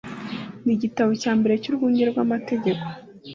n igitabo cya mbere cy Urwunge rw Amategeko